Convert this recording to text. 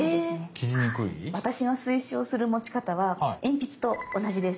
私が推奨する持ち方は鉛筆と同じです。